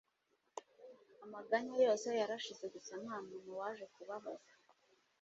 amaganya yose yarashize gusa ntamuntu waje kubabaza